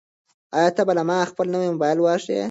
آیا ته به ماته خپل نوی موبایل وښایې؟